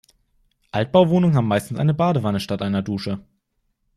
Altbauwohnungen haben meistens eine Badewanne statt einer Dusche.